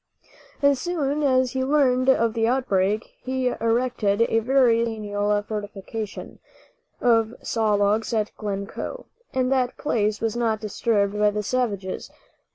As soon as he learned of the outbreak he erected a very substantial fortification of saw logs at Glencoe, and that place was not disturbed by the savages.